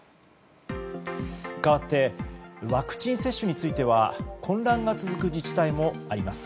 かわってワクチン接種については混乱が続く自治体もあります。